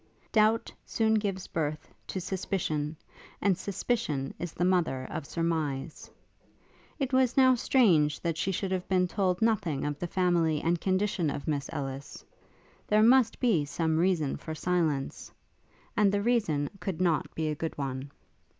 Doubt soon gives birth to suspicion, and suspicion is the mother of surmise. It was now strange that she should have been told nothing of the family and condition of Miss Ellis; there must be some reason for silence; and the reason could not be a good one.